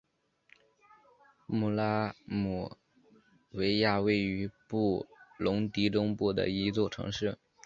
穆拉姆维亚位于布隆迪中部的一座城市。